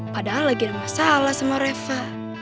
padahal lagi ada masalah sama reva